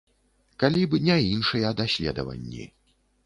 Калі б не іншыя даследаванні.